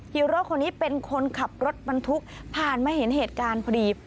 ฮีโร่คนนี้เป็นคนขับรถบรรทุกผ่านมาเห็นเหตุการณ์พอดี